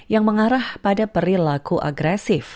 yang mengarah pada perilaku agresif